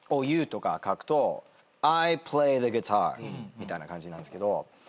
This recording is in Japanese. みたいな感じなんですけど。